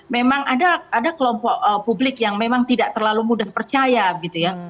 memang ada kelompok publik yang memang tidak terlalu mudah percaya gitu ya